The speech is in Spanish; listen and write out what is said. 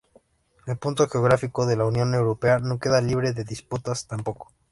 El punto geográfico de la Unión Europea no queda libre de disputas, tampoco.